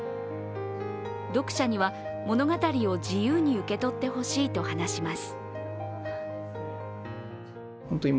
読者には物語を自由に受け取ってほしいと話します。